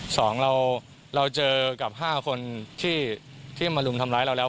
สองเราเราเจอกับห้าคนที่มารุมทำร้ายเราแล้ว